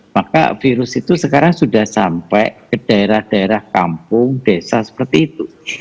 maka virus itu sekarang sudah sampai ke daerah daerah kampung desa seperti itu